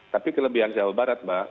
tapi kelebihan jawa barat mbak